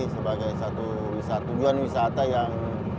sebagai satu tujuan wisata yang